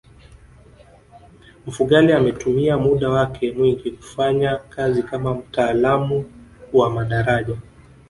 mfugale ametumia muda wake mwingi kufanya kazi kama mtaalamu wa madaraja